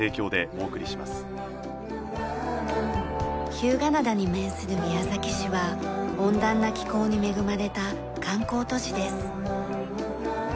日向灘に面する宮崎市は温暖な気候に恵まれた観光都市です。